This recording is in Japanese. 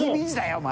お前。